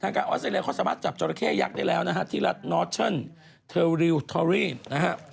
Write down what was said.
ทางจานออสเทอเรียเขาสามารถจับจอราเคยักษ์ได้แล้วที่รัศน์เทอริลเทอรี่นะฮะ